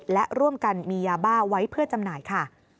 และร่วมกันมียาบ้าไว้เพื่อจำหน่ายค่ะ